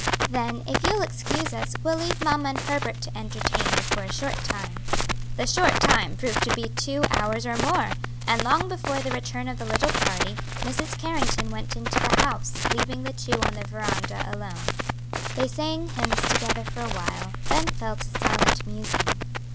"Then, if you'll excuse us, we'll leave mamma and Herbert to entertain you for a short time." The short time proved to be two hours or more, and long before the return of the little party, Mrs. Carrington went into the house, leaving the two on the veranda alone. They sang hymns together for a while, then fell to silent musing.